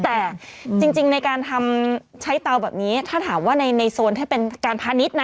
แต่จริงในการทำใช้เตาแบบนี้ถ้าถามว่าในโซนถ้าเป็นการพาณิชย์นะ